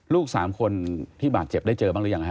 ลูก๓คนที่บาดเจ็บได้เจอบ้างหรือยังฮะ